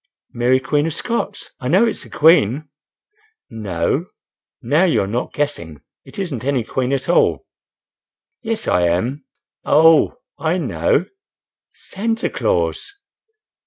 "Mary, Queen of Scots?—I know it's a queen." "No. Now you are not guessing—It isn't any queen, at all." "Yes, I am—Oh! I know—Santa Claus."